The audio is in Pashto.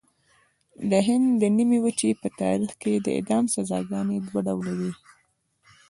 د هند د نیمې وچې په تاریخ کې د اعدام سزاګانې دوه ډوله وې.